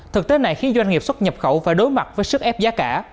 thực tế này khiến doanh nghiệp xuất nhập khẩu phải đối mặt với sức ép giá cả